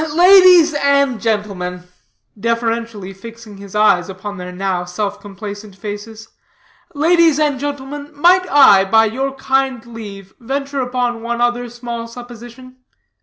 "Ladies and gentlemen," (deferentially fixing his eyes upon their now self complacent faces) "ladies and gentlemen, might I, by your kind leave, venture upon one other small supposition?